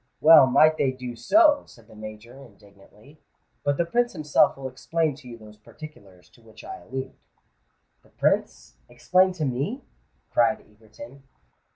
"Well might they do so!" said the Major, indignantly. "But the Prince himself will explain to you those particulars to which I allude." "The Prince—explain to me!" cried Egerton.